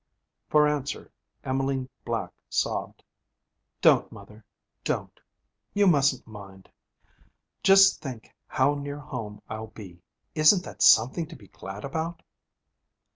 For answer, Emmeline Black sobbed. 'Don't, mother, don't. You mustn't mind. Just think how near home I'll be! Isn't that something to be glad about?'